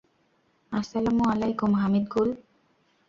আসসালামু আলাইকুম, হামিদ গুল।